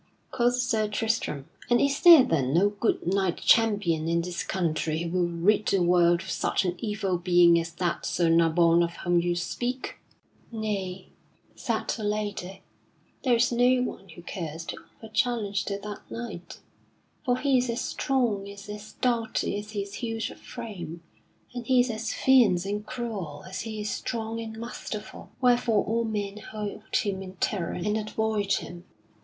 quoth Sir Tristram, "and is there then no good knight champion in this country who will rid the world of such an evil being as that Sir Nabon of whom you speak?" "Nay," said the lady, "there is no one who cares to offer challenge to that knight, for he is as strong and as doughty as he is huge of frame, and he is as fierce and cruel as he is strong and masterful, wherefore all men hold him in terror and avoid him."